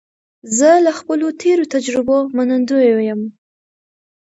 زه له خپلو تېرو تجربو منندوی یم.